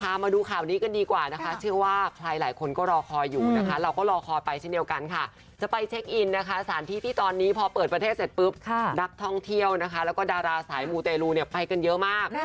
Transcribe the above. มาดูข่าวนี้กันดีกว่านะคะเชื่อว่าใครหลายคนก็รอคอยอยู่นะคะเราก็รอคอยไปเช่นเดียวกันค่ะจะไปเช็คอินนะคะสถานที่ที่ตอนนี้พอเปิดประเทศเสร็จปุ๊บนักท่องเที่ยวนะคะแล้วก็ดาราสายมูเตลูเนี่ยไปกันเยอะมาก